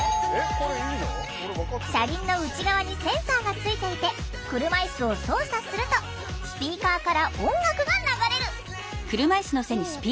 車輪の内側にセンサーがついていて車いすを操作するとスピーカーから音楽が流れる。